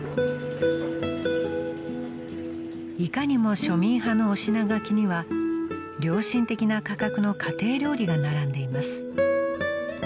［いかにも庶民派のお品書きには良心的な価格の家庭料理が並んでいます］